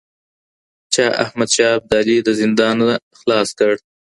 چا احمد شاه ابدالي د زندانه خلاص کړ؟